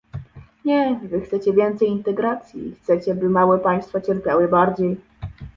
Nie, wy chcecie więcej integracji i chcecie, by małe państwa cierpiały bardziej